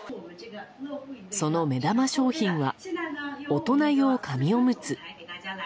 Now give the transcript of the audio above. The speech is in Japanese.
その目玉商品は大人用紙おむつ。